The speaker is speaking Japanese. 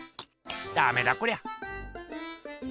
ダメだこりゃ。